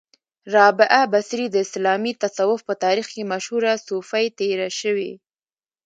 را بعه بصري د اسلامې تصوف په تاریخ کې مشهوره صوفۍ تیره شوی